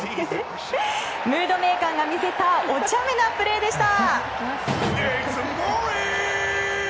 ムードメーカーが見せたお茶目なプレーでした。